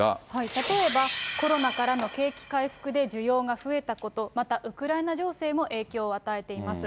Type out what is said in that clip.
例えばコロナからの景気回復で需要が増えたこと、また、ウクライナ情勢も影響を与えています。